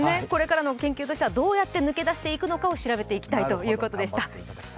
これからの研究としてはどうやって抜け出していくのか調べていきたいということでした。